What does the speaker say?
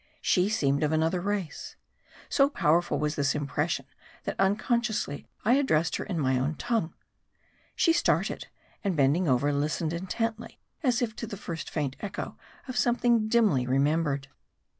She seemed of another race. So powerful was this impression, that unconsciously, M A R D I. 165 I addressed her in my own tongue. She started, and bend ing over, listened intently, as if to the first faint echo of something dimly remembered.